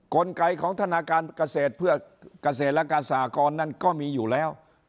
กลไกของธนาคารเกษตรเพื่อเกษตรและการสหกรนั้นก็มีอยู่แล้ว